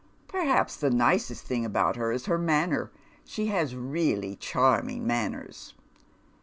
tt " Perhaps the nicest thing about her is her manner. She has leally channing manners."